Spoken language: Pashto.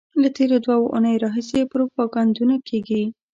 له تېرو دوو اونیو راهیسې پروپاګندونه کېږي.